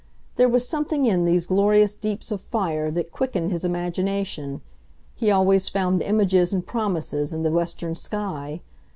There was something in these glorious deeps of fire that quickened his imagination; he always found images and promises in the western sky.